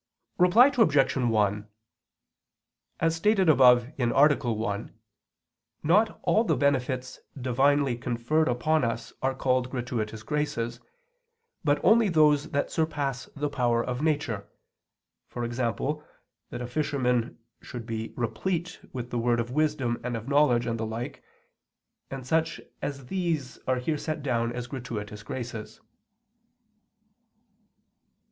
_ Reply Obj. 1: As stated above (A. 1), not all the benefits divinely conferred upon us are called gratuitous graces, but only those that surpass the power of nature e.g. that a fisherman should be replete with the word of wisdom and of knowledge and the like; and such as these are here set down as gratuitous graces.